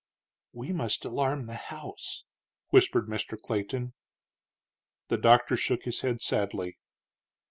"We must alarm the house," whispered Mr. Clayton. The doctor shook his head sadly.